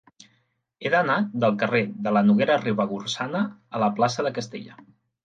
He d'anar del carrer de la Noguera Ribagorçana a la plaça de Castella.